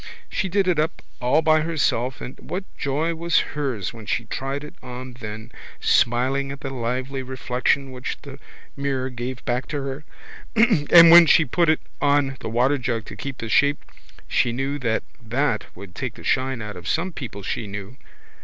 She did it up all by herself and what joy was hers when she tried it on then, smiling at the lovely reflection which the mirror gave back to her! And when she put it on the waterjug to keep the shape she knew that that would take the shine out of some people she knew.